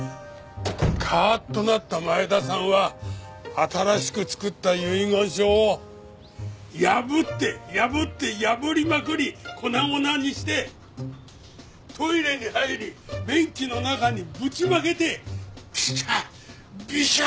カーッとなった前田さんは新しく作った遺言書を破って破って破りまくり粉々にしてトイレに入り便器の中にぶちまけてビシャ！